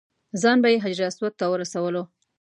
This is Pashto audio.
ځان به یې حجر اسود ته ورسولو.